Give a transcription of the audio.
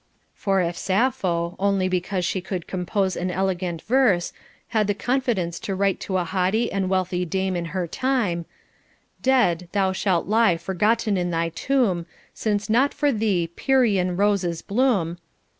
For if Sappho, only because she could com pose an elegant verse, had the confidence to write to a haughty and wealthy dame in her time : Dead thou shalt lie forgotten in thy tomb, Since not for thee Pierian roses bloom,* * Sappho, Frag.